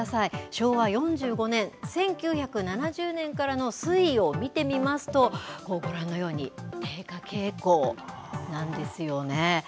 昭和４５年・１９７０年からの推移を見てみますと、こう、ご覧のように低下傾向なんですよね。